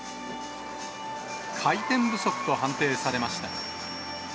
回転不足と判定されました。